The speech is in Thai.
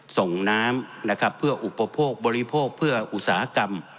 ส่งน้ำนะครับเพื่ออุปโภคบริโภคเพื่ออุตสาหกรรม